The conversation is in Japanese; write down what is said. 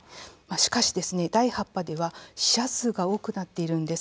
しかし、第８波では死者数が多くなっているんです。